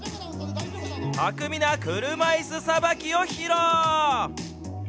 巧みな車いすさばきを披露。